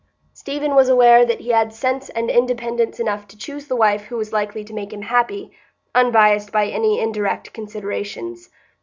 Stephen was aware that he had sense and independence enough to choose the wife who was likely to make him happy, unbiassed by any indirect considerations.